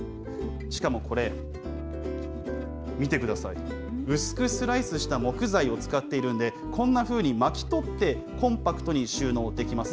しかもこれ、見てください、薄くスライスした木材を使っているので、こんなふうに巻き取ってコンパクトに収納できます。